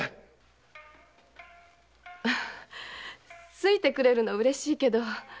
好いてくれるのは嬉しいけど。